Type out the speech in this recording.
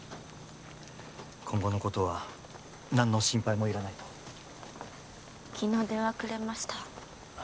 今後のことは何の心配もいらないと昨日電話くれました